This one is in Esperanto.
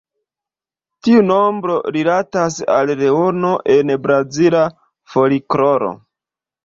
Tiu nombro rilatas al Leono en brazila folkloro.